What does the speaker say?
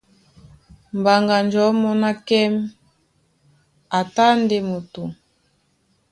Mbaŋganjɔ̌ mɔ́ ná: Kɛ́m a tá ndé moto.